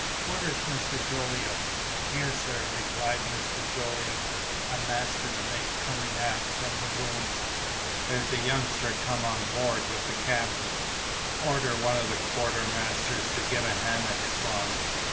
Where is Mr. Jolliffe?" "Here, sir," replied Mr. Jolliffe, a master's mate, coming aft from the booms. "There's a youngster come on board with the captain. Order one of the quartermasters to get a hammock slung."